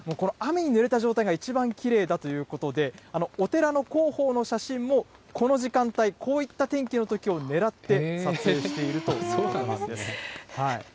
長谷寺、もうこの雨にぬれた状態が一番きれいだということで、お寺の広報の写真も、この時間帯、こういった天気のときを狙って撮影しているということなんです。